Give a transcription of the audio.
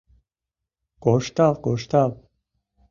Коштал, коштал!